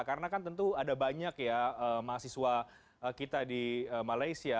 karena kan tentu ada banyak mahasiswa kita di malaysia